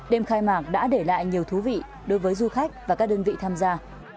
đêm khai mạc đã để lại nhiều thú vị đối với du khách và các đơn vị tham gia